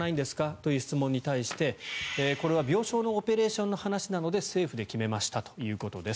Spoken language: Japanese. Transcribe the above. という質問に対してこれは病床のオペレーションの話なので政府で決めましたということです。